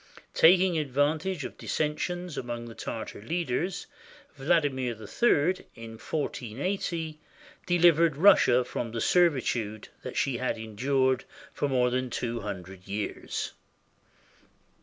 Taking advantage of dissensions among the Tartar leaders, Vladimir III, in 1480, delivered Russia from the servitude that she had endured for more than two hundred years.